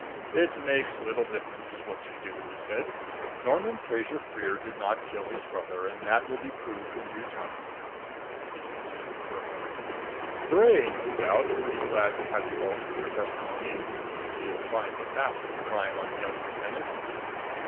"It makes little difference what you do," he said. "Norman Fraser Freer did not kill his brother, and that will be proved in due time." He considered for a moment. "Bray no doubt would be glad to have you alter your testimony, since he is trying to fasten the crime on the young lieutenant.